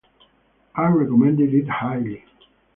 I recommend it highly.